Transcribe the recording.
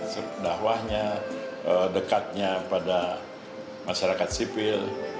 sedahwahnya dekatnya pada masyarakat sipil